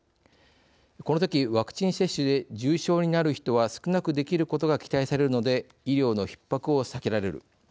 このとき、ワクチン接種で重症になる人は少なくできることが期待されるので医療のひっ迫を避けられる。